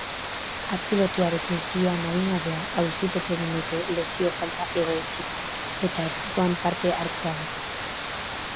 Atxilotuarekin zihoan adingabea auzipetu egin dute lesio falta egotzita eta erasoan parte hartzeagatik.